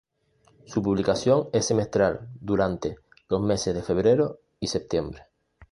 Su publicación es semestral, durante los meses de febrero y septiembre.